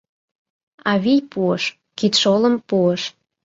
Авий пуыш, кидшолым пуыш